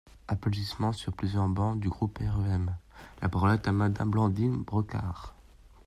(Applaudissements sur plusieurs bancs du groupe REM.) La parole est à Madame Blandine Brocard.